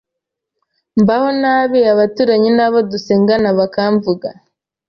mbaho nabi abaturanyi n’abo dusengana bakamvuga